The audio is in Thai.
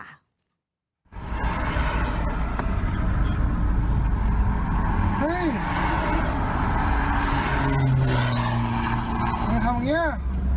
ทำอย่างเงี้ย